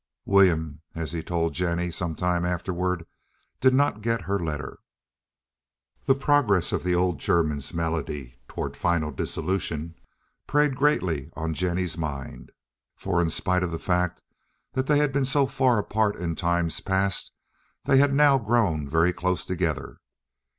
William, as he told Jennie some time afterward, did not get her letter. The progress of the old German's malady toward final dissolution preyed greatly on Jennie's mind; for, in spite of the fact that they had been so far apart in times past, they had now grown very close together.